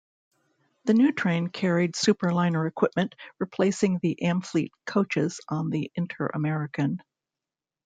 The new train carried Superliner equipment, replacing the Amfleet coaches on the "Inter-American".